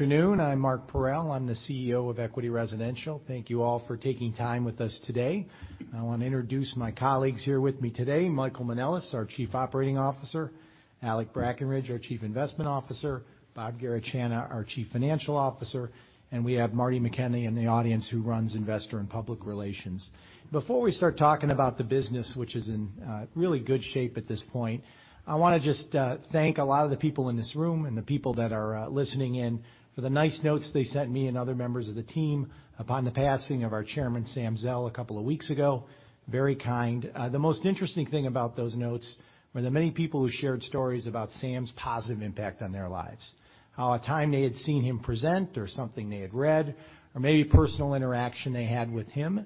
Afternoon. I'm Mark Parrell. I'm the CEO of Equity Residential. Thank you all for taking time with us today. I want to introduce my colleagues here with me today: Michael Manelis, our Chief Operating Officer, Alec Brackenridge, our Chief Investment Officer, Bob Garechana, our Chief Financial Officer, and we have Marty McKenna in the audience, who runs Investor and Public Relations. Before we start talking about the business, which is in really good shape at this point, I want to just thank a lot of the people in this room and the people that are listening in for the nice notes they sent me and other members of the team upon the passing of our Chairman, Sam Zell, a couple of weeks ago. Very kind. The most interesting thing about those notes were the many people who shared stories about Sam's positive impact on their lives. A time they had seen him present, or something they had read, or maybe a personal interaction they had with him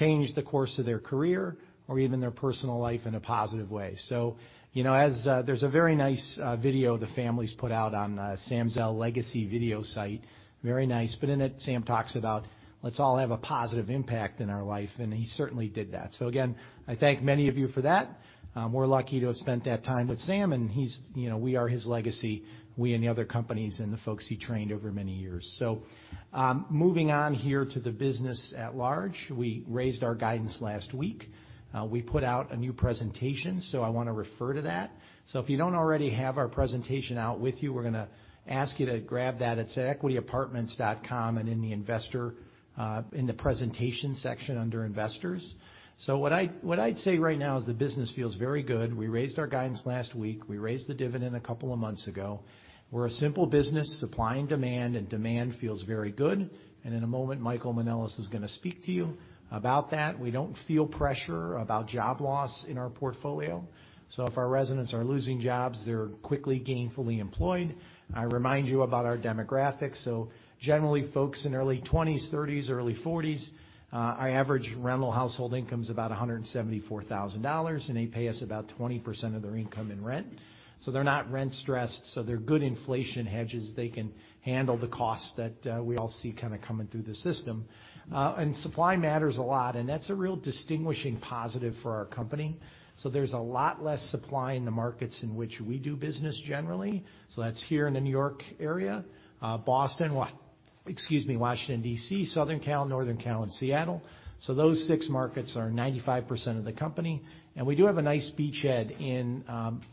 changed the course of their career or even their personal life in a positive way. So, you know, there's a very nice video the family's put out on Sam Zell Legacy video site. Very nice. But in it, Sam talks about, "Let's all have a positive impact in our life," and he certainly did that. So again, I thank many of you for that. We're lucky to have spent that time with Sam, and we are his legacy, we and the other companies and the folks he trained over many years. So moving on here to the business at large. We raised our guidance last week. We put out a new presentation, so I want to refer to that. So if you don't already have our presentation out with you, we're going to ask you to grab that. It's at equityapartments.com and in the Investor in the Presentation section under Investors. So what I'd say right now is the business feels very good. We raised our guidance last week. We raised the dividend a couple of months ago. We're a simple business. Supply and demand and demand feels very good. And in a moment, Michael Manelis is going to speak to you about that. We don't feel pressure about job loss in our portfolio. So if our residents are losing jobs, they're quickly gainfully employed. I remind you about our demographics. So generally, folks in early 20s, 30s, early 40s, our average rental household income is about $174,000, and they pay us about 20% of their income in rent. So they're not rent stressed. So they're good inflation hedges. They can handle the costs that we all see kind of coming through the system, and supply matters a lot, and that's a real distinguishing positive for our company, so there's a lot less supply in the markets in which we do business generally, so that's here in the New York area, Boston, excuse me, Washington, D.C., Southern Cal, Northern Cal, and Seattle, so those six markets are 95% of the company, and we do have a nice beachhead in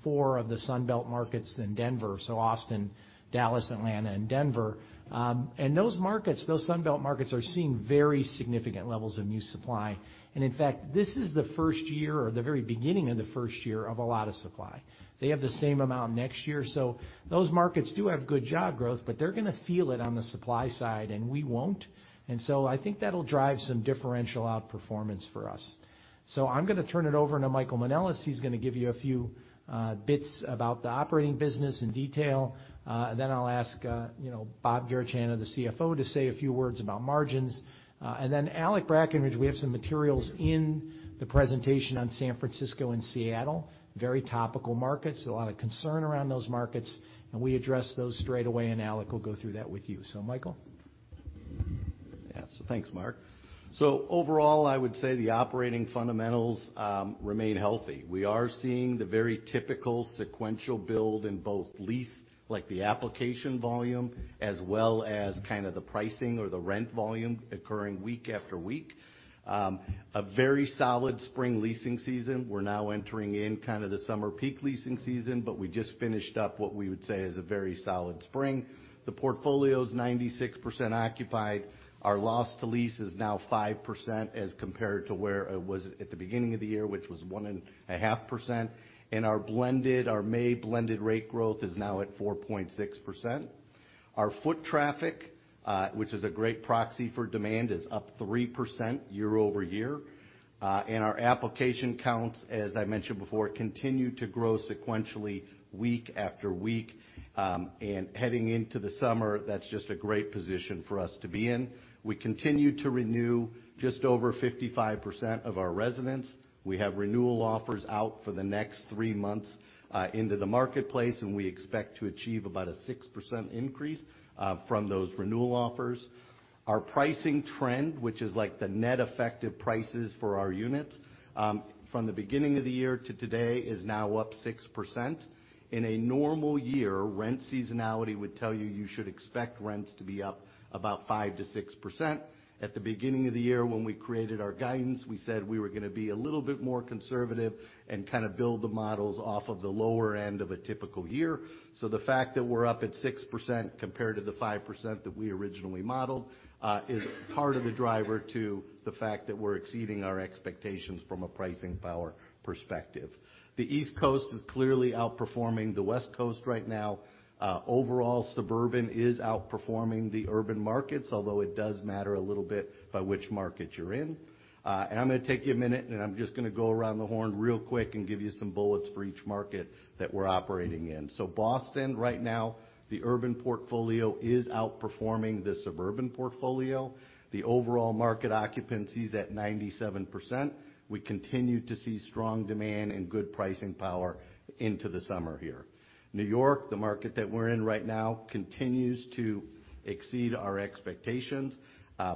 four of the Sunbelt markets in Denver, so Austin, Dallas, Atlanta, and Denver, and those markets, those Sunbelt markets, are seeing very significant levels of new supply, and in fact, this is the first year or the very beginning of the first year of a lot of supply, they have the same amount next year. So those markets do have good job growth, but they're going to feel it on the supply side, and we won't. And so I think that'll drive some differential outperformance for us. So I'm going to turn it over to Michael Manelis. He's going to give you a few bits about the operating business in detail. Then I'll ask Bob Garechana, the CFO, to say a few words about margins. And then, Alec Brackenridge, we have some materials in the presentation on San Francisco and Seattle. Very topical markets. A lot of concern around those markets. And we address those straight away, and Alec will go through that with you. So, Michael. Yeah. So thanks, Mark. So overall, I would say the operating fundamentals remain healthy. We are seeing the very typical sequential build in both lease, like the application volume, as well as kind of the pricing or the rent volume occurring week after week. A very solid spring leasing season. We're now entering in kind of the summer peak leasing season, but we just finished up what we would say is a very solid spring. The portfolio is 96% occupied. Our loss to lease is now 5% as compared to where it was at the beginning of the year, which was 1.5%. And our blended, our May blended rate growth is now at 4.6%. Our foot traffic, which is a great proxy for demand, is up 3% year-over-year. And our application counts, as I mentioned before, continue to grow sequentially week after week. Heading into the summer, that's just a great position for us to be in. We continue to renew just over 55% of our residents. We have renewal offers out for the next three months into the marketplace, and we expect to achieve about a 6% increase from those renewal offers. Our pricing trend, which is like the net effective prices for our units from the beginning of the year to today, is now up 6%. In a normal year, rent seasonality would tell you you should expect rents to be up about 5%-6%. At the beginning of the year, when we created our guidance, we said we were going to be a little bit more conservative and kind of build the models off of the lower end of a typical year. The fact that we're up at 6% compared to the 5% that we originally modeled is part of the driver to the fact that we're exceeding our expectations from a pricing power perspective. The East Coast is clearly outperforming the West Coast right now. Overall, suburban is outperforming the urban markets, although it does matter a little bit by which market you're in. I'm going to give you a minute, and I'm just going to go around the horn real quick and give you some bullets for each market that we're operating in. Boston, right now, the urban portfolio is outperforming the suburban portfolio. The overall market occupancy is at 97%. We continue to see strong demand and good pricing power into the summer here. New York, the market that we're in right now, continues to exceed our expectations.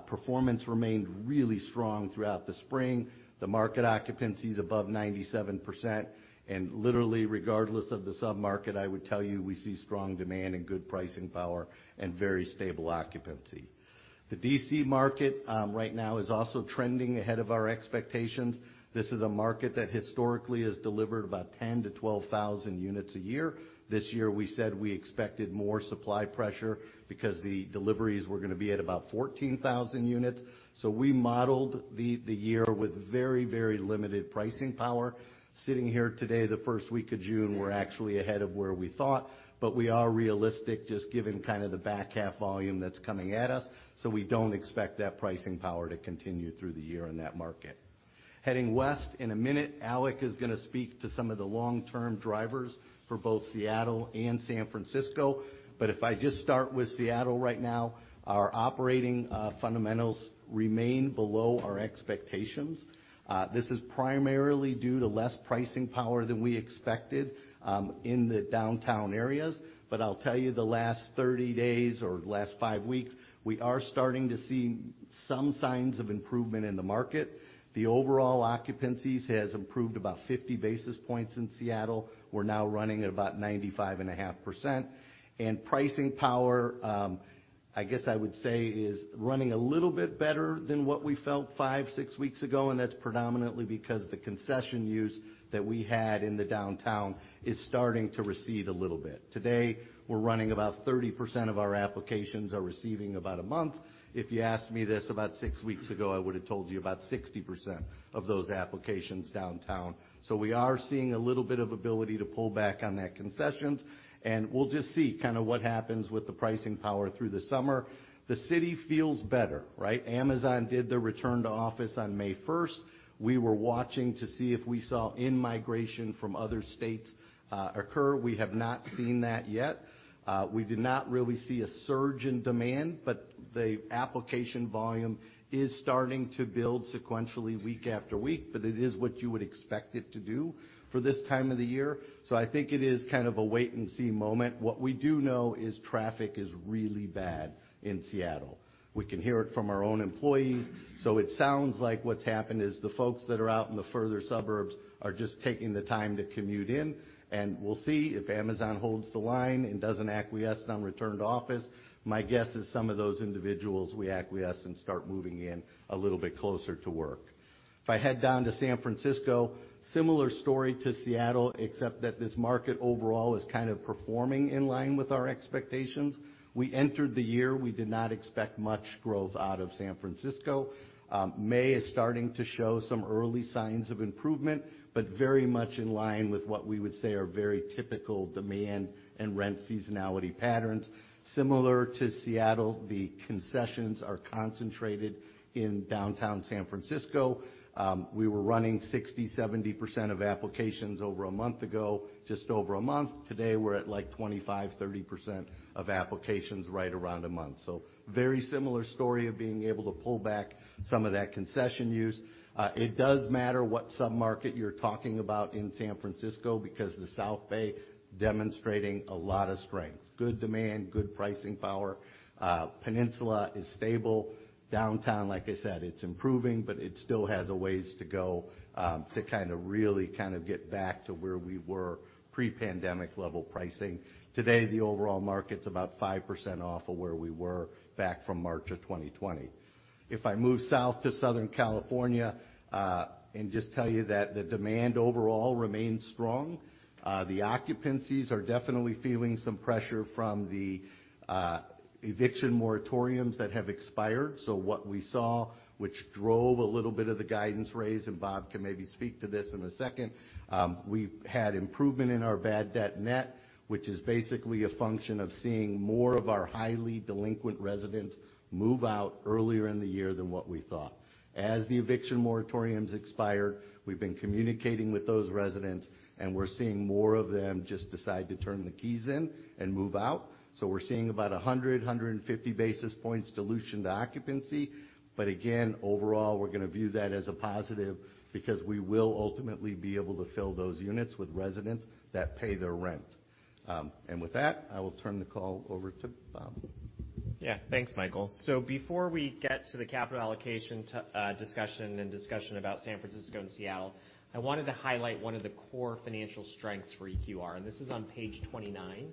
Performance remained really strong throughout the spring. The market occupancy is above 97%, and literally, regardless of the submarket, I would tell you we see strong demand and good pricing power and very stable occupancy. The D.C. market right now is also trending ahead of our expectations. This is a market that historically has delivered about 10,000-12,000 units a year. This year, we said we expected more supply pressure because the deliveries were going to be at about 14,000 units, so we modeled the year with very, very limited pricing power. Sitting here today, the first week of June, we're actually ahead of where we thought, but we are realistic just given kind of the back half volume that's coming at us, so we don't expect that pricing power to continue through the year in that market. Heading west in a minute. Alec is going to speak to some of the long-term drivers for both Seattle and San Francisco, but if I just start with Seattle right now, our operating fundamentals remain below our expectations. This is primarily due to less pricing power than we expected in the downtown areas, but I'll tell you, the last 30 days or last five weeks, we are starting to see some signs of improvement in the market. The overall occupancy has improved about 50 basis points in Seattle. We're now running at about 95.5%. And pricing power, I guess I would say, is running a little bit better than what we felt five, six weeks ago, and that's predominantly because the concession use that we had in the downtown is starting to recede a little bit. Today, we're running about 30% of our applications are receiving about a month. If you asked me this about six weeks ago, I would have told you about 60% of those applications downtown. So we are seeing a little bit of ability to pull back on that concessions. And we'll just see kind of what happens with the pricing power through the summer. The city feels better, right? Amazon did their return to office on May 1st. We were watching to see if we saw in-migration from other states occur. We have not seen that yet. We did not really see a surge in demand, but the application volume is starting to build sequentially week after week. But it is what you would expect it to do for this time of the year. So I think it is kind of a wait-and-see moment. What we do know is traffic is really bad in Seattle. We can hear it from our own employees. So it sounds like what's happened is the folks that are out in the further suburbs are just taking the time to commute in. And we'll see if Amazon holds the line and doesn't acquiesce on return to office. My guess is some of those individuals will acquiesce and start moving in a little bit closer to work. If I head down to San Francisco, similar story to Seattle, except that this market overall is kind of performing in line with our expectations. We entered the year. We did not expect much growth out of San Francisco. May is starting to show some early signs of improvement, but very much in line with what we would say are very typical demand and rent seasonality patterns. Similar to Seattle, the concessions are concentrated in downtown San Francisco. We were running 60%, 70% of applications over a month ago, just over a month. Today, we're at like 25%, 30% of applications right around a month, so very similar story of being able to pull back some of that concession use. It does matter what submarket you're talking about in San Francisco because the South Bay is demonstrating a lot of strength. Good demand, good pricing power. Peninsula is stable. Downtown, like I said, it's improving, but it still has a ways to go to kind of really kind of get back to where we were pre-pandemic level pricing. Today, the overall market's about 5% off of where we were back from March of 2020. If I move south to Southern California and just tell you that the demand overall remains strong. The occupancies are definitely feeling some pressure from the eviction moratoriums that have expired. So what we saw, which drove a little bit of the guidance raise, and Bob can maybe speak to this in a second, we had improvement in our bad debt net, which is basically a function of seeing more of our highly delinquent residents move out earlier in the year than what we thought. As the eviction moratoriums expired, we've been communicating with those residents, and we're seeing more of them just decide to turn the keys in and move out. So we're seeing about 100, 150 basis points dilution to occupancy. But again, overall, we're going to view that as a positive because we will ultimately be able to fill those units with residents that pay their rent. And with that, I will turn the call over to Bob. Yeah. Thanks, Michael. So before we get to the capital allocation discussion and discussion about San Francisco and Seattle, I wanted to highlight one of the core financial strengths for EQR. And this is on page 29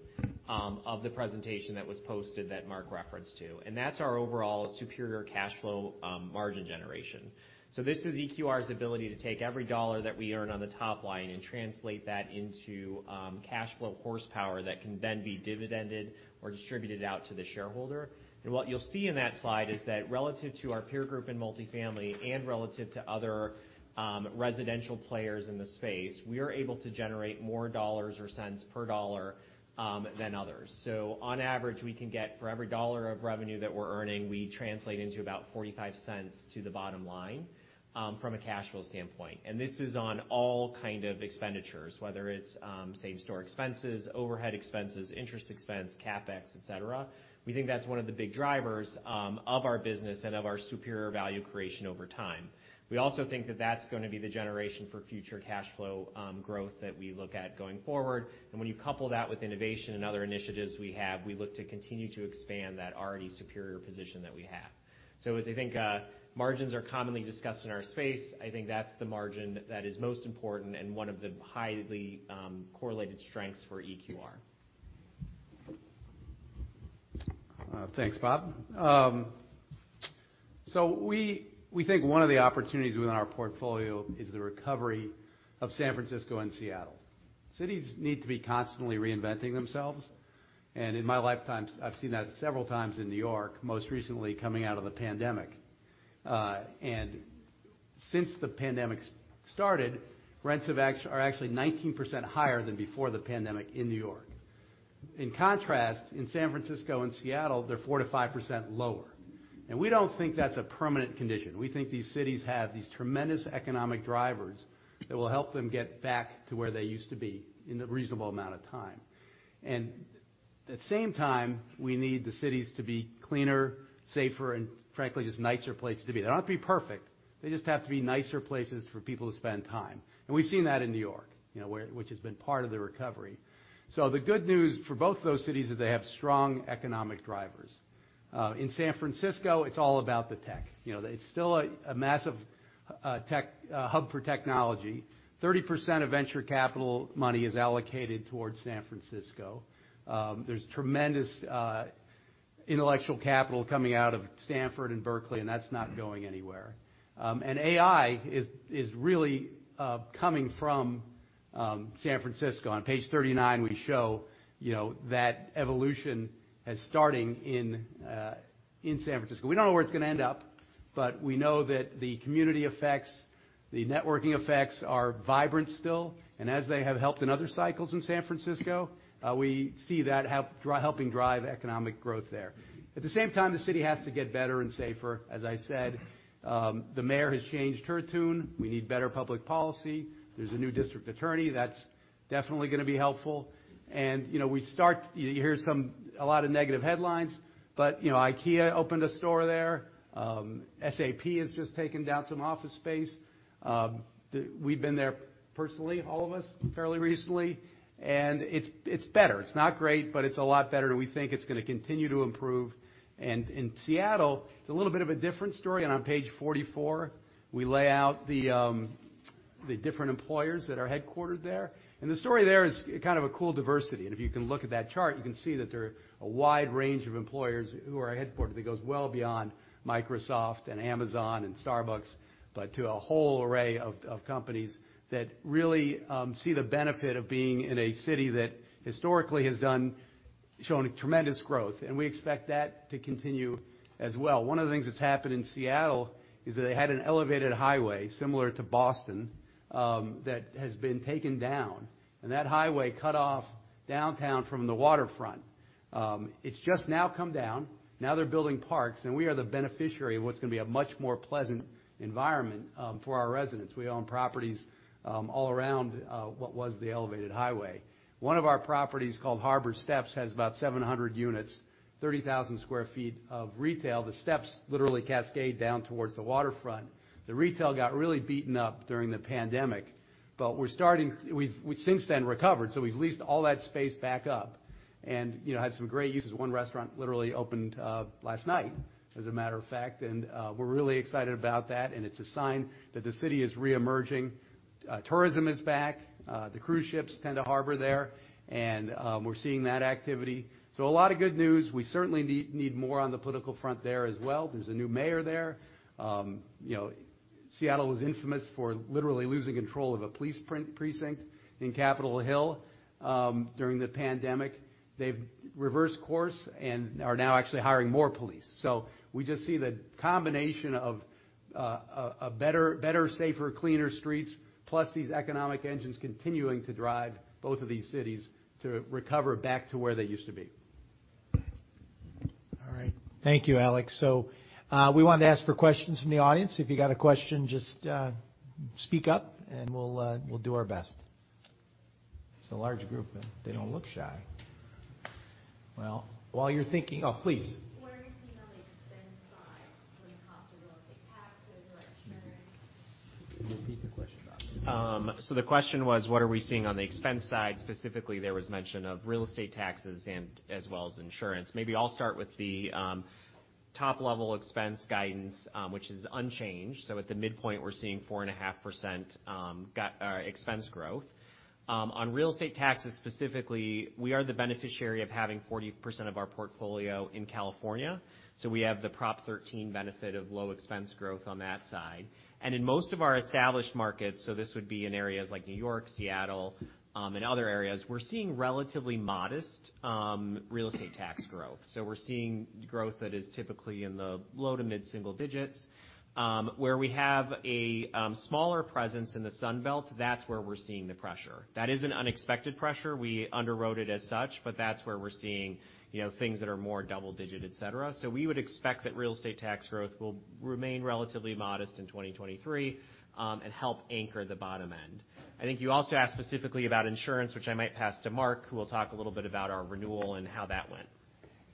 of the presentation that was posted that Mark referenced to. And that's our overall superior cash flow margin generation. So this is EQR's ability to take every dollar that we earn on the top line and translate that into cash flow horsepower that can then be dividended or distributed out to the shareholder. And what you'll see in that slide is that relative to our peer group in multifamily and relative to other residential players in the space, we are able to generate more dollars or cents per dollar than others. On average, we can get for every dollar of revenue that we're earning, we translate into about $0.45 to the bottom line from a cash flow standpoint. And this is on all kind of expenditures, whether it's same-store expenses, overhead expenses, interest expense, CapEx, etc. We think that's one of the big drivers of our business and of our superior value creation over time. We also think that that's going to be the generation for future cash flow growth that we look at going forward. And when you couple that with innovation and other initiatives we have, we look to continue to expand that already superior position that we have. So as I think margins are commonly discussed in our space, I think that's the margin that is most important and one of the highly correlated strengths for EQR. Thanks, Bob. We think one of the opportunities within our portfolio is the recovery of San Francisco and Seattle. Cities need to be constantly reinventing themselves. In my lifetime, I've seen that several times in New York, most recently coming out of the pandemic. Since the pandemic started, rents are actually 19% higher than before the pandemic in New York. In contrast, in San Francisco and Seattle, they're 4%-5% lower. We don't think that's a permanent condition. We think these cities have these tremendous economic drivers that will help them get back to where they used to be in a reasonable amount of time. At the same time, we need the cities to be cleaner, safer, and frankly, just nicer places to be. They don't have to be perfect. They just have to be nicer places for people to spend time. We've seen that in New York, which has been part of the recovery. So the good news for both those cities is they have strong economic drivers. In San Francisco, it's all about the tech. It's still a massive hub for technology. 30% of venture capital money is allocated towards San Francisco. There's tremendous intellectual capital coming out of Stanford and Berkeley, and that's not going anywhere. And AI is really coming from San Francisco. On page 39, we show that evolution is starting in San Francisco. We don't know where it's going to end up, but we know that the community effects, the networking effects are vibrant still. And as they have helped in other cycles in San Francisco, we see that helping drive economic growth there. At the same time, the city has to get better and safer. As I said, the mayor has changed her tune. We need better public policy. There's a new district attorney. That's definitely going to be helpful. And we start to hear a lot of negative headlines, but IKEA opened a store there. SAP has just taken down some office space. We've been there personally, all of us, fairly recently. And it's better. It's not great, but it's a lot better. And we think it's going to continue to improve. And in Seattle, it's a little bit of a different story. And on page 44, we lay out the different employers that are headquartered there. And the story there is kind of a cool diversity. And if you can look at that chart, you can see that there are a wide range of employers who are headquartered. It goes well beyond Microsoft and Amazon and Starbucks, but to a whole array of companies that really see the benefit of being in a city that historically has shown tremendous growth, and we expect that to continue as well. One of the things that's happened in Seattle is that they had an elevated highway similar to Boston that has been taken down, and that highway cut off downtown from the waterfront. It's just now come down. Now they're building parks, and we are the beneficiary of what's going to be a much more pleasant environment for our residents. We own properties all around what was the elevated highway. One of our properties called Harbor Steps has about 700 units, 30,000 sq ft of retail. The steps literally cascade down towards the waterfront. The retail got really beaten up during the pandemic, but we've since then recovered. So we've leased all that space back up and had some great uses. One restaurant literally opened last night, as a matter of fact. And we're really excited about that. And it's a sign that the city is reemerging. Tourism is back. The cruise ships tend to harbor there. And we're seeing that activity. So a lot of good news. We certainly need more on the political front there as well. There's a new mayor there. Seattle was infamous for literally losing control of a police precinct in Capitol Hill during the pandemic. They've reversed course and are now actually hiring more police. So we just see the combination of better, safer, cleaner streets, plus these economic engines continuing to drive both of these cities to recover back to where they used to be. All right. Thank you, Alec. So we wanted to ask for questions from the audience. If you got a question, just speak up and we'll do our best. It's a large group, but they don't look shy. Well, while you're thinking, oh, please. Where do you see on the expense side for the cost of real estate taxes or insurance? Repeat the question, Bob. The question was, what are we seeing on the expense side? Specifically, there was mention of real estate taxes as well as insurance. Maybe I'll start with the top-level expense guidance, which is unchanged. At the midpoint, we're seeing 4.5% expense growth. On real estate taxes specifically, we are the beneficiary of having 40% of our portfolio in California. We have the Prop 13 benefit of low expense growth on that side. In most of our established markets, so this would be in areas like New York, Seattle, and other areas, we're seeing relatively modest real estate tax growth. We're seeing growth that is typically in the low to mid-single digits. Where we have a smaller presence in the Sunbelt, that's where we're seeing the pressure. That is an unexpected pressure. We underwrote it as such, but that's where we're seeing things that are more double-digit, etc. So we would expect that real estate tax growth will remain relatively modest in 2023 and help anchor the bottom end. I think you also asked specifically about insurance, which I might pass to Mark, who will talk a little bit about our renewal and how that went.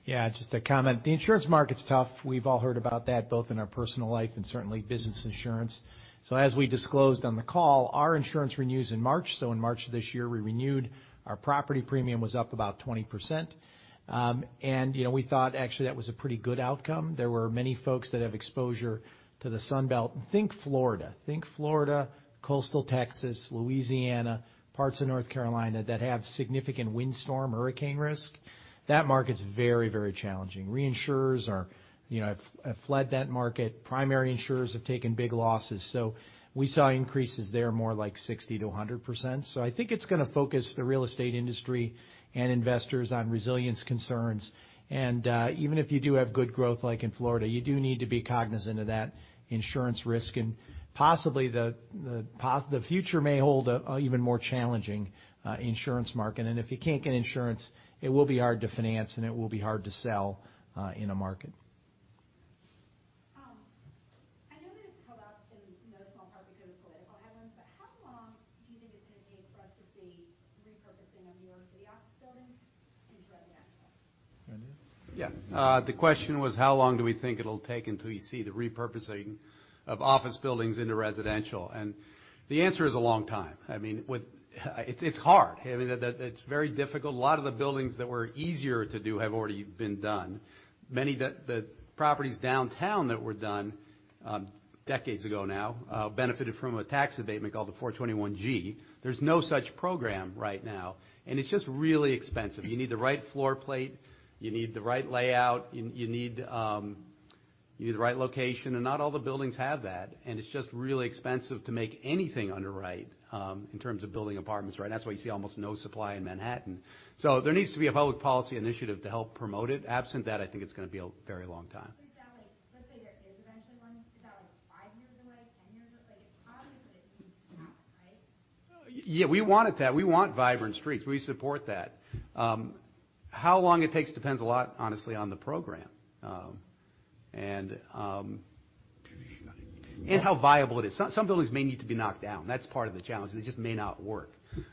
Yeah, just a comment. The insurance market's tough. We've all heard about that, both in our personal life and certainly business insurance. So as we disclosed on the call, our insurance renews in March. So in March of this year, we renewed. Our property premium was up about 20%. And we thought, actually, that was a pretty good outcome. There were many folks that have exposure to the Sunbelt. Think Florida. Think Florida, coastal Texas, Louisiana, parts of North Carolina that have significant windstorm, hurricane risk. That market's very, very challenging. Reinsurers have fled that market. Primary insurers have taken big losses. So we saw increases there more like 60%-100%. So I think it's going to focus the real estate industry and investors on resilience concerns. And even if you do have good growth like in Florida, you do need to be cognizant of that insurance risk. Possibly the future may hold an even more challenging insurance market. If you can't get insurance, it will be hard to finance and it will be hard to sell in a market. I know that it's come up in no small part because of political headlines, but how long do you think it's going to take for us to see repurposing of? Yeah. The question was, how long do we think it'll take until you see the repurposing of office buildings into residential? And the answer is a long time. I mean, it's hard. I mean, it's very difficult. A lot of the buildings that were easier to do have already been done. Many of the properties downtown that were done decades ago now benefited from a tax abatement called the 421-g. There's no such program right now. And it's just really expensive. You need the right floor plate. You need the right layout. You need the right location. And not all the buildings have that. And it's just really expensive to make anything underwrite in terms of building apartments. Right? And that's why you see almost no supply in Manhattan. So there needs to be a public policy initiative to help promote it. Absent that, I think it's going to be a very long time. Is that like, let's say, there is eventually one? Is that like five years away, 10 years away? Obviously, it needs to happen, right? Yeah, we want it to happen. We want vibrant streets. We support that. How long it takes depends a lot, honestly, on the program and how viable it is. Some buildings may need to be knocked down. That's part of the challenge. They just may not work.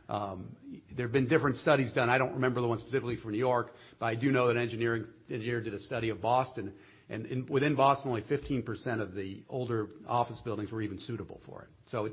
There have been different studies done. I don't remember the one specifically for New York, but I do know that an engineer did a study of Boston, and within Boston, only 15% of the older office buildings were even suitable for it. So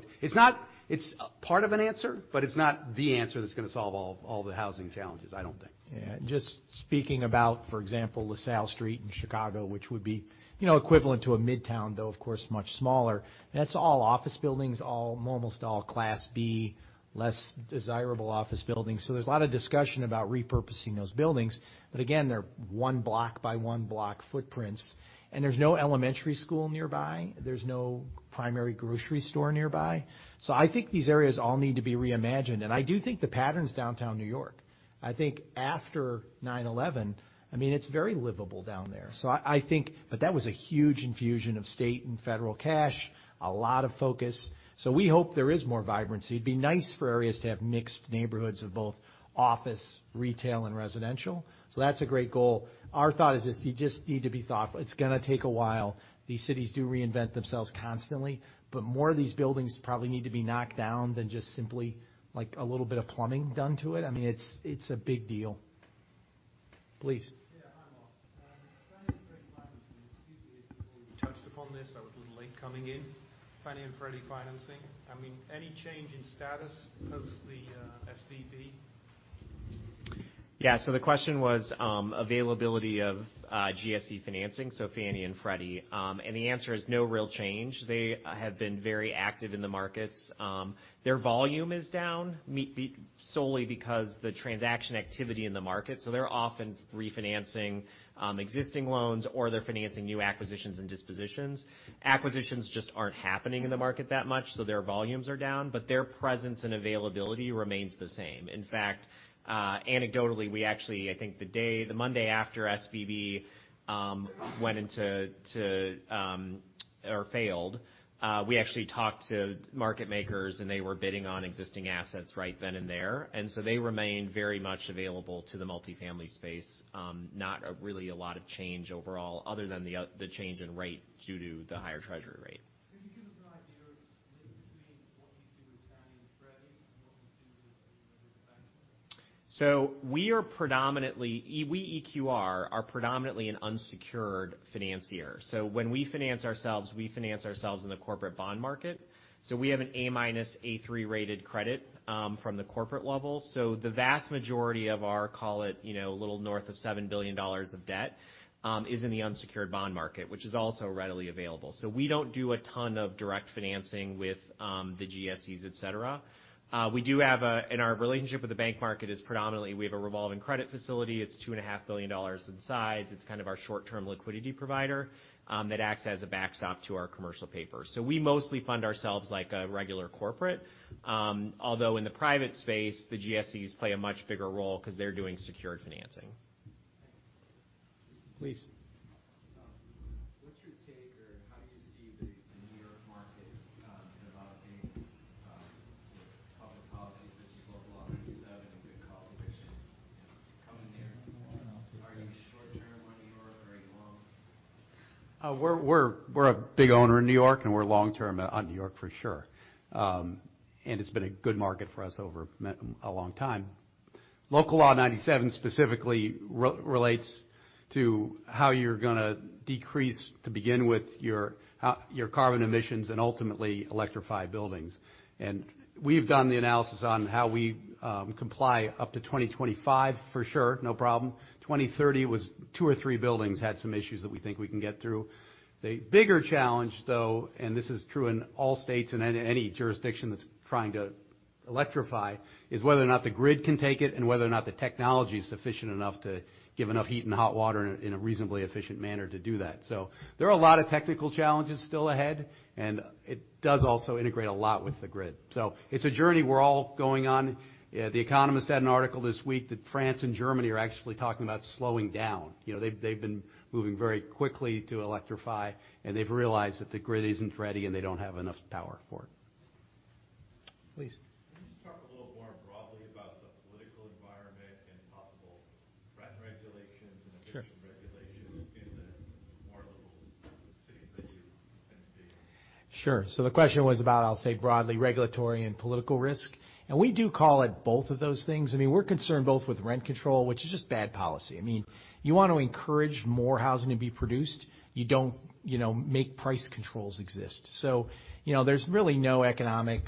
it's part of an answer, but it's not the answer that's going to solve all the housing challenges, I don't think. Yeah. Just speaking about, for example, LaSalle Street in Chicago, which would be equivalent to a midtown, though, of course, much smaller, and that's all office buildings, almost all Class B, less desirable office buildings. So there's a lot of discussion about repurposing those buildings. But again, they're one block by one block footprints. And there's no elementary school nearby. There's no primary grocery store nearby. So I think these areas all need to be reimagined. And I do think the pattern's downtown New York. I think after 9/11, I mean, it's very livable down there. So I think, but that was a huge infusion of state and federal cash, a lot of focus. So we hope there is more vibrancy. It'd be nice for areas to have mixed neighborhoods of both office, retail, and residential. So that's a great goal. Our thought is just you just need to be thoughtful. It's going to take a while. These cities do reinvent themselves constantly. But more of these buildings probably need to be knocked down than just simply a little bit of plumbing done to it. I mean, it's a big deal. Please. touched upon this. I was a little late coming in. Fannie and Freddie financing. I mean, any change in status post the SVB? Yeah. So the question was availability of GSE financing, so Fannie and Freddie. And the answer is no real change. They have been very active in the markets. Their volume is down solely because of the transaction activity in the market. So they're often refinancing existing loans or they're financing new acquisitions and dispositions. Acquisitions just aren't happening in the market that much, so their volumes are down. But their presence and availability remains the same. In fact, anecdotally, we actually, I think the Monday after SVB went into or failed, we actually talked to market makers, and they were bidding on existing assets right then and there. And so they remained very much available to the multifamily space. Not really a lot of change overall, other than the change in rate due to the higher treasury rate. an idea of the split between what you do with Fannie and Freddie and what you do with the bank? We EQR are predominantly an unsecured financier. When we finance ourselves, we finance ourselves in the corporate bond market. We have an A-/A3 rated credit from the corporate level. The vast majority of our, call it a little north of $7 billion of debt is in the unsecured bond market, which is also readily available. We don't do a ton of direct financing with the GSEs, etc. We do have and our relationship with the bank market is predominantly we have a revolving credit facility. It's $2.5 billion in size. It's kind of our short-term liquidity provider that acts as a backstop to our commercial papers. We mostly fund ourselves like a regular corporate. Although in the private space, the GSEs play a much bigger role because they're doing secured financing. Please. What's your take or how do you see the New York market developing with public policies Good Cause Eviction coming near? Are you short-term on New York or are you long? We're a big owner in New York, and we're long-term on New York for sure. It's been a good market for us over a long time. Local Law 97 specifically relates to how you're going to decrease to begin with your carbon emissions and ultimately electrify buildings. We've done the analysis on how we comply up to 2025 for sure, no problem. 2030, two or three buildings had some issues that we think we can get through. The bigger challenge, though, and this is true in all states and any jurisdiction that's trying to electrify, is whether or not the grid can take it and whether or not the technology is sufficient enough to give enough heat and hot water in a reasonably efficient manner to do that. There are a lot of technical challenges still ahead. It does also integrate a lot with the grid. It's a journey we're all going on. The Economist had an article this week that France and Germany are actually talking about slowing down. They've been moving very quickly to electrify, and they've realized that the grid isn't ready and they don't have enough power for it. Please. Can you just talk a little more broadly about the political environment and possible threatened regulations and eviction regulations in the more liberal? Sure. So the question was about, I'll say broadly, regulatory and political risk. And we do call it both of those things. I mean, we're concerned both with rent control, which is just bad policy. I mean, you want to encourage more housing to be produced. You don't make price controls exist. So there's really no economic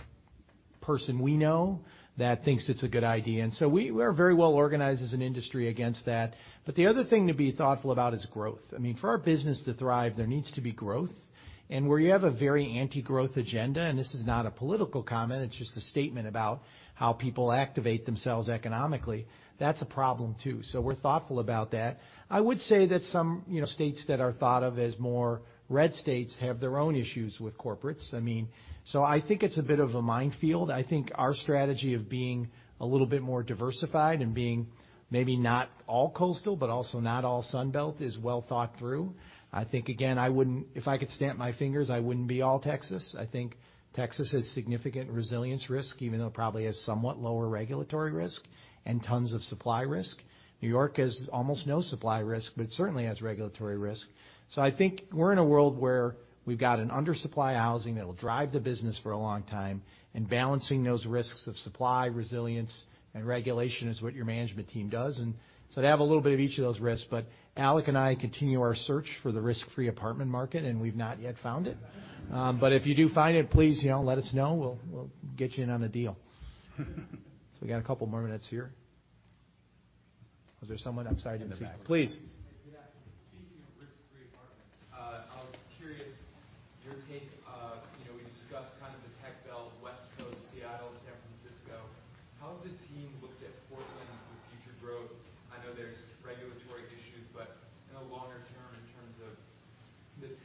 person we know that thinks it's a good idea. And so we are very well organized as an industry against that. But the other thing to be thoughtful about is growth. I mean, for our business to thrive, there needs to be growth. And where you have a very anti-growth agenda, and this is not a political comment, it's just a statement about how people activate themselves economically, that's a problem too. So we're thoughtful about that. I would say that some states that are thought of as more red states have their own issues with corporates. I mean, so I think it's a bit of a minefield. I think our strategy of being a little bit more diversified and being maybe not all coastal, but also not all Sunbelt, is well thought through. I think, again, if I could snap my fingers, I wouldn't be all Texas. I think Texas has significant resilience risk, even though it probably has somewhat lower regulatory risk and tons of supply risk. New York has almost no supply risk, but it certainly has regulatory risk. So I think we're in a world where we've got an undersupply of housing that will drive the business for a long time. And balancing those risks of supply, resilience, and regulation is what your management team does. And so they have a little bit of each of those risks. But Alec and I continue our search for the risk-free apartment market, and we've not yet found it. But if you do find it, please let us know. We'll get you in on a deal. So we got a couple more minutes here. Was there someone? I'm sorry to interrupt. Please. Speaking of risk-free apartments, I was curious, your take, we discussed kind of the tech belt: West Coast, Seattle, San Francisco. How has the team looked at Portland for future growth? I know there's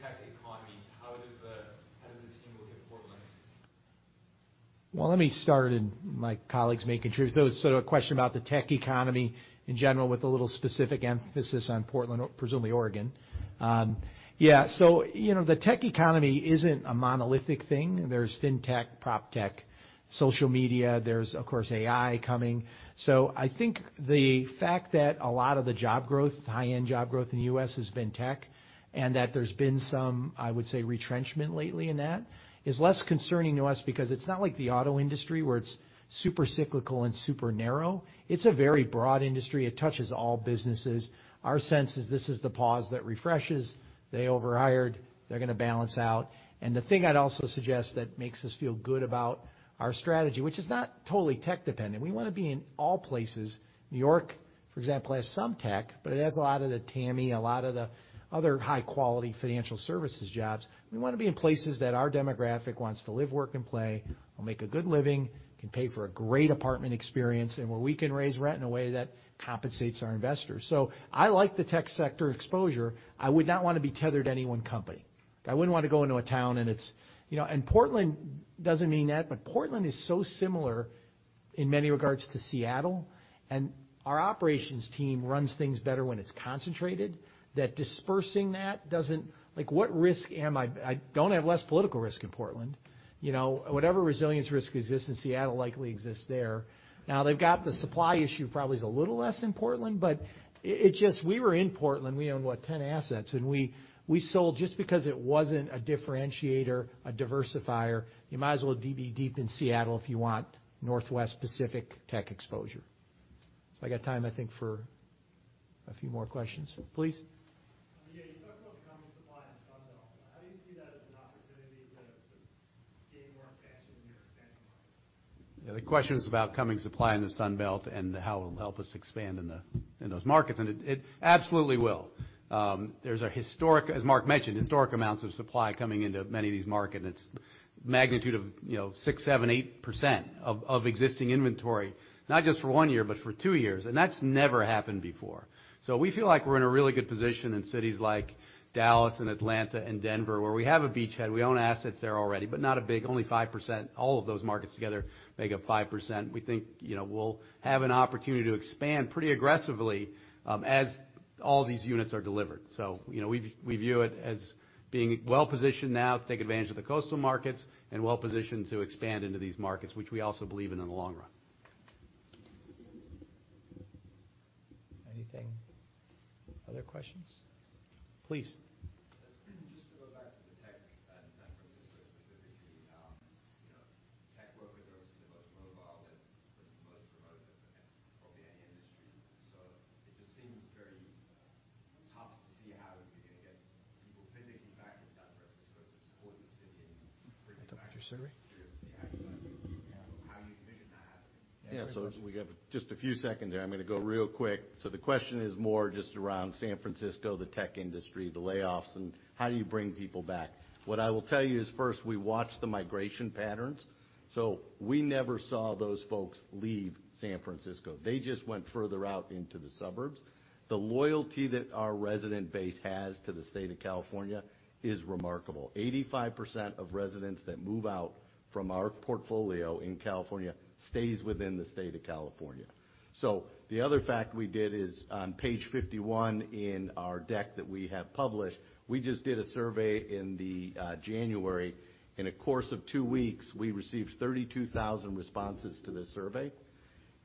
regulatory issues, but in the longer term, in terms of the tech economy, how does the? Well, let me start with my colleagues making sure. So it's sort of a question about the tech economy in general, with a little specific emphasis on Portland, presumably Oregon. Yeah. So the tech economy isn't a monolithic thing. There's fintech, proptech, social media. There's, of course, AI coming. So I think the fact that a lot of the job growth, high-end job growth in the U.S. has been tech and that there's been some, I would say, retrenchment lately in that is less concerning to us because it's not like the auto industry where it's super cyclical and super narrow. It's a very broad industry. It touches all businesses. Our sense is this is the pause that refreshes. They overhired. They're going to balance out. And the thing I'd also suggest that makes us feel good about our strategy, which is not totally tech-dependent. We want to be in all places. New York, for example, has some tech, but it has a lot of the TAMI, a lot of the other high-quality financial services jobs. We want to be in places that our demographic wants to live, work, and play, will make a good living, can pay for a great apartment experience, and where we can raise rent in a way that compensates our investors. So I like the tech sector exposure. I would not want to be tethered to any one company. I wouldn't want to go into a town and Portland doesn't mean that, but Portland is so similar in many regards to Seattle. And our operations team runs things better when it's concentrated. That dispersing that doesn't. What risk am I? I don't have less political risk in Portland. Whatever resilience risk exists in Seattle likely exists there. Now, they've got the supply issue probably is a little less in Portland, but it just, we were in Portland. We owned, what, 10 assets. And we sold just because it wasn't a differentiator, a diversifier. You might as well be deep in Seattle if you want Northwest Pacific tech exposure. So I got time, I think, for a few more questions. Please. Yeah. You talked about the coming supply in the Sunbelt. How do you see that as an opportunity to gain more expansion? Yeah. The question was about coming supply in the Sunbelt and how it'll help us expand in those markets. And it absolutely will. There's a historic, as Mark mentioned, historic amounts of supply coming into many of these markets. It's a magnitude of 6%, 7%, 8% of existing inventory, not just for one year, but for two years. And that's never happened before. So we feel like we're in a really good position in cities like Dallas and Atlanta and Denver where we have a beachhead. We own assets there already, but not a big, only 5%. All of those markets together make up 5%. We think we'll have an opportunity to expand pretty aggressively as all these units are delivered. So we view it as being well-positioned now to take advantage of the coastal markets and well-positioned to expand into these markets, which we also believe in the long run. Anything? Other questions? Please. Just to go back to the tech in San Francisco specifically, tech workers are industry. So it just seems very tough to see how you're going to get people physically back in San Francisco to support the city and bring it back. Back to your survey? Yeah. So we have just a few seconds here. I'm going to go real quick. So the question is more just around San Francisco, the tech industry, the layoffs, and how do you bring people back? What I will tell you is, first, we watched the migration patterns. So we never saw those folks leave San Francisco. They just went further out into the suburbs. The loyalty that our resident base has to the state of California is remarkable. 85% of residents that move out from our portfolio in California stays within the state of California. So the other fact we did is on page 51 in our deck that we have published, we just did a survey in January. In a course of two weeks, we received 32,000 responses to this survey.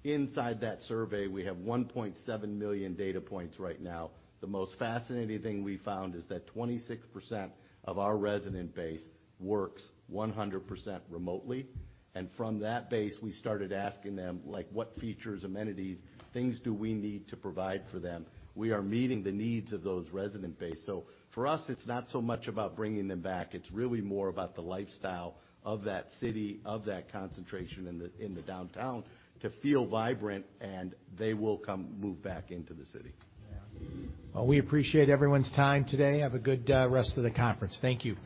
Inside that survey, we have 1.7 million data points right now. The most fascinating thing we found is that 26% of our resident base works 100% remotely, and from that base, we started asking them, "What features, amenities, things do we need to provide for them?" We are meeting the needs of those resident base, so for us, it's not so much about bringing them back. It's really more about the lifestyle of that city, of that concentration in the downtown to feel vibrant, and they will come move back into the city. We appreciate everyone's time today. Have a good rest of the conference. Thank you.